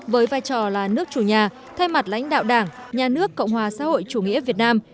với vai trò là nước chủ nhà thay mặt lãnh đạo đảng nhà nước cộng hòa xã hội chủ nghĩa việt nam